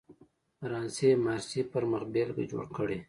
فرانسې مارسي پر مخبېلګه جوړ کړی.